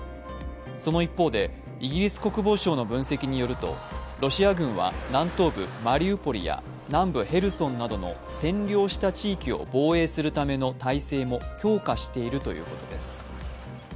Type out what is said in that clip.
その一方で、イギリス国防省の分析によるとロシア軍は南東部マリウポリや南部ヘルソンなどの占領した地域を防衛するための態勢も強化しているということです。